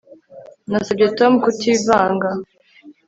Nasabye Tom kutivanga